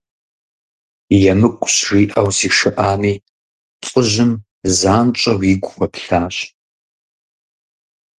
– ЕмыкӀущ, – жиӀэу зишыӀами, лӀыжьым занщӀэу игу хуэплъащ.